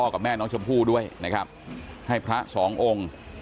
แล้วอันนี้ก็เปิดแล้ว